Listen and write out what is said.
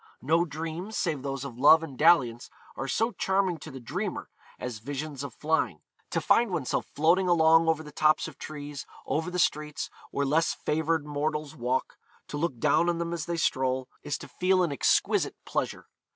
No dreams, save those of love and dalliance, are so charming to the dreamer as visions of flying; to find oneself floating along over the tops of trees, over the streets where less favoured mortals walk, to look down on them as they stroll, is to feel an exquisite pleasure.